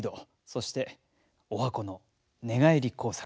そしておはこの寝返り工作。